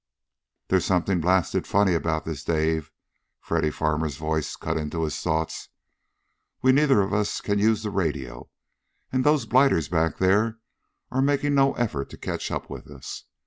"There's something blasted funny about this, Dave!" Freddy Farmer's voice cut into his thoughts. "We neither of us can use the radio, and those blighters back there are making no effort to catch up with us.